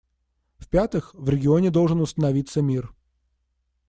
В-пятых, в регионе должен установиться мир.